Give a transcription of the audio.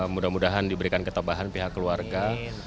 mudah mudahan diberikan ketabahan pihak keluarga